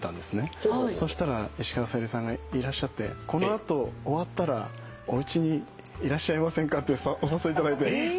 そしたら石川さゆりさんがいらっしゃって「この後終わったらおうちにいらっしゃいませんか？」ってお誘いいただいて。